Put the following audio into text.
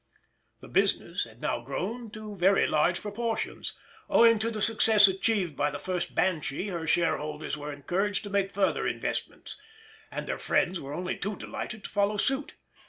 The business had now grown to very large proportions; owing to the success achieved by the first Banshee her shareholders were encouraged to make further investments, and their friends were only too delighted to follow suit.